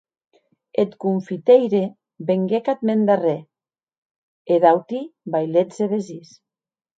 Eth confiteire venguec ath mèn darrèr, e d'auti vailets e vesins.